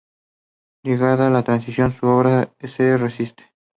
Llegada la Transición, su obra se resiente.